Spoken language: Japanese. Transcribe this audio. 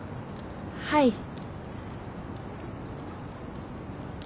はい。